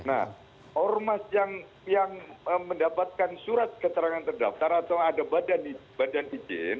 nah ormas yang mendapatkan surat keterangan terdaftar atau ada badan izin